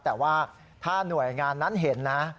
แต่ว่าถ้าหน่วยงานนั้นเห็นนะ